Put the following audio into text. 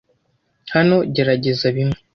Hano, gerageza bimwe.